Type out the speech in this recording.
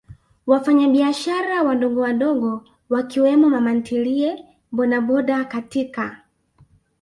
wafanyabiashara wadogowadogo Wakiwemo mamantilie bodaboda katika